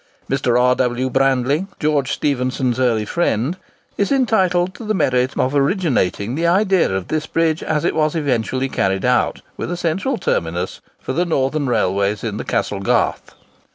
Mr. R. W. Brandling, George Stephenson's early friend, is entitled to the merit of originating the idea of this bridge as it was eventually carried out, with a central terminus for the northern railways in the Castle Garth.